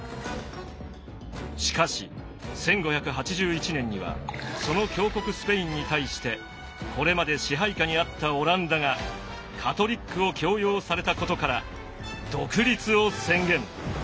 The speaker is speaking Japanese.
しかし１５８１年にはその強国スペインに対してこれまで支配下にあったオランダがカトリックを強要されたことから独立を宣言。